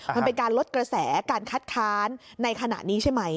มันเป็นการลดกระแสการคัดค้านในขณะนี้ใช่ไหม